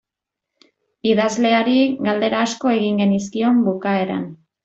Idazleari galdera asko egin genizkion bukaeran.